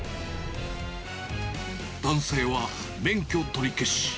男性は免許取り消し。